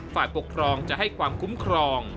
ฝ่ายปกครองจะให้ความคุ้มครอง